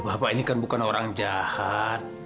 bapak ini kan bukan orang jahat